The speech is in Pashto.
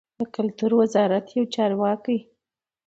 د کلتور وزارت یو چارواکي